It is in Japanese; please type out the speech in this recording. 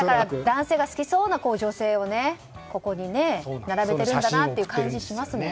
男性が好きそうな女性を並べてるんだなという感じがしますもんね。